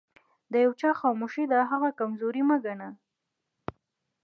د يوچا خاموښي دهغه کمزوري مه ګنه